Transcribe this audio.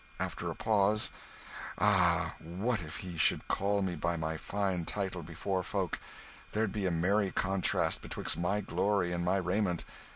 After a pause: "Ah, what if he should call me by my fine title before folk! there'd be a merry contrast betwixt my glory and my raiment!